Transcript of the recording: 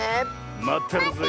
まってるぜえ。